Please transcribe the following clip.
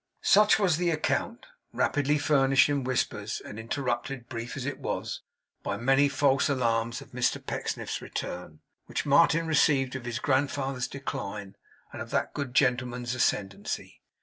Such was the account, rapidly furnished in whispers, and interrupted, brief as it was, by many false alarms of Mr Pecksniff's return; which Martin received of his grandfather's decline, and of that good gentleman's ascendancy.